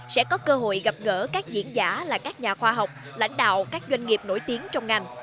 sẽ có cơ hội gặp gỡ các diễn giả là các nhà khoa học lãnh đạo các doanh nghiệp nổi tiếng trong ngành